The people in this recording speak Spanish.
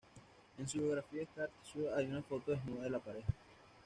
En su biografía Scar Tissue hay una foto desnuda de la pareja.